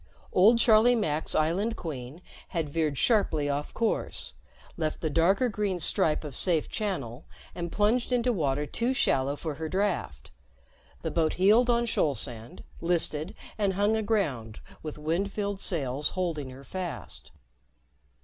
Old Charlie Mack's Island Queen had veered sharply off course, left the darker green stripe of safe channel and plunged into water too shallow for her draft. The boat heeled on shoal sand, listed and hung aground with wind filled sails holding her fast.